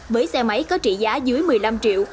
với xe máy có trị giá dưới một mươi năm triệu